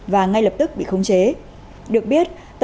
và ngay lập tức bị khống chế